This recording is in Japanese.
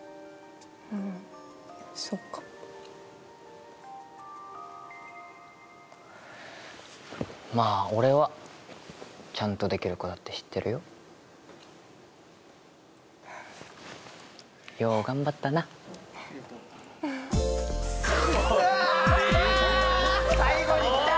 うんそっかまあ俺はちゃんとできる子だって知ってるよよう頑張ったな・うわ・最後にきた！